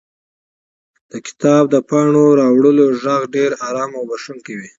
• د کتاب د پاڼو اړولو ږغ ډېر آرام بښونکی وي.